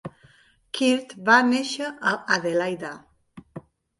Kirk va néixer a Adelaida.